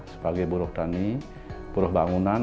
sebagai buruh tani buruh bangunan